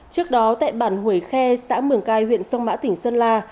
trước đó tại bản hủy khe xã mường cai huyện sông mã tỉnh sơn la